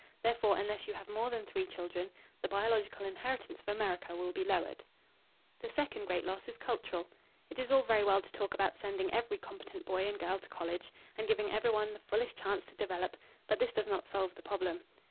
Therefore, unless you have more than three children, the biological inheritance of America will be lowered. The second great loss is cultural. It is all very well to talk about sending every competent boy and girl to college, and giving every one the fullest chance to develop, but this does not solve the problem.